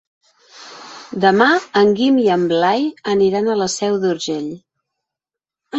Demà en Guim i en Blai aniran a la Seu d'Urgell.